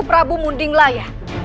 prabu munding laya